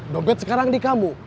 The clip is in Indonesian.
dompet sekarang di kamu